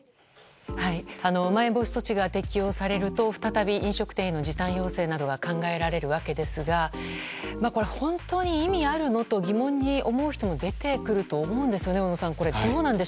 まん延防止措置が適用されると再び飲食店への時短要請などが考えられるわけですが本当に意味があるのと疑問に思う人も出てくると思うんです。